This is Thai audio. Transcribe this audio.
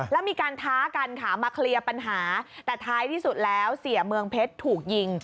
แล้วมีการท้ากันค่ะมาเคลียร์ปัญหาแต่ท้ายที่สุดแล้วเสียเมืองเพชรถูกยิง